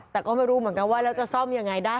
แต่ก็ไม่รู้เหมือนกันว่าแล้วจะซ่อมยังไงได้